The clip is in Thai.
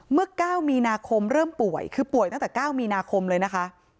เมื่อ๙มีนาคมเริ่มป่วยคือป่วยตั้งแต่๙มีนาคมเลยนะคะ